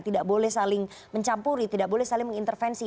tidak boleh saling mencampuri tidak boleh saling mengintervensi